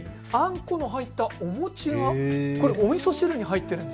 この入ったお餅、これ、おみそ汁に入っているんです。